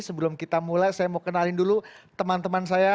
sebelum kita mulai saya mau kenalin dulu teman teman saya